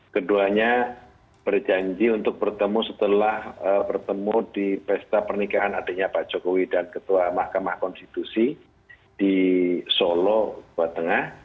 keduanya berjanji untuk bertemu setelah bertemu di pesta pernikahan adiknya pak jokowi dan ketua mahkamah konstitusi di solo jawa tengah